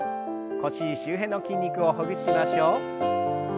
腰周辺の筋肉をほぐしましょう。